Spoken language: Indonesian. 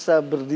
saya kira tidak